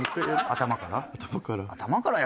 頭から。